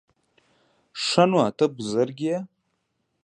_ښه نو، ته بزرګ يې؟